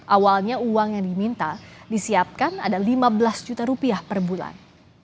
awalnya uang yang diminta disiapkan ada lima belas juta rupiah per bulan